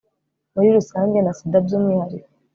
muri rusange na sida by'umwihariko